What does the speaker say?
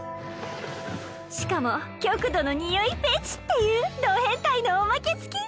しかも極度の匂いフェチっていうど変態のおまけ付き！